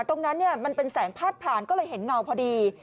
ตรงนั้นมันเป็นแสงพาดผ่านก็เลยเห็นเงาพอดี